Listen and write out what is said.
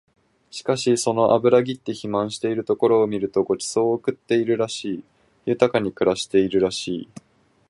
しかしその脂ぎって肥満しているところを見ると御馳走を食ってるらしい、豊かに暮らしているらしい